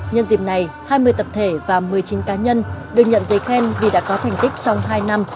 nhân dịp này hai mươi tập thể và một mươi chín cá nhân được nhận giấy khen vì đã có thành tích trong hai năm